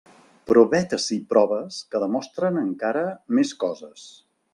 Però vet ací proves que demostren encara més coses.